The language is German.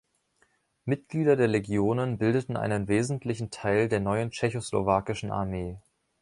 Mitglieder der Legionen bildeten einen wesentlichen Teil der neuen tschechoslowakischen Armee.